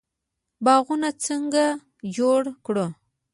باغونه څنګه جوړ کړو؟